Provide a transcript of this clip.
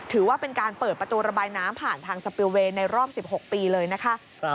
ถือว่าเป็นการเปิดประตูระบายน้ำผ่านทางสปิลเวย์ในรอบ๑๖ปีเลยนะคะ